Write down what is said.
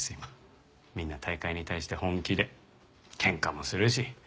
みんな大会に対して本気で喧嘩もするし。